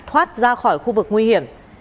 thoát ra khỏi khu vực nguy hiểm